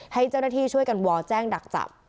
ให้เจ้าหน้าที่ช่วยกันวอลแจ้งดักจับ